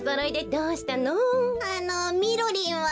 あのみろりんは？